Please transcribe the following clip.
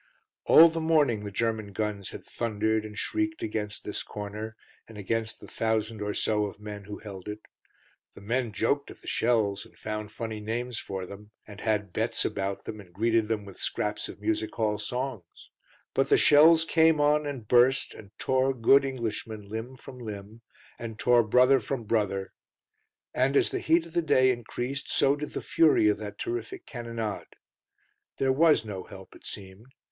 All the morning the German guns had thundered and shrieked against this corner, and against the thousand or so of men who held it. The men joked at the shells, and found funny names for them, and had bets about them, and greeted them with scraps of music hall songs. But the shells came on and burst, and tore good Englishmen limb from limb, and tore brother from brother, and as the heat of the day increased so did the fury of that terrific cannonade. There was no help, it seemed.